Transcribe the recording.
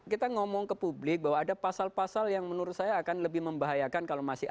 kita ngomong ke publik bahwa ada pasal pasal yang menurut saya akan lebih membahayakan kalau masih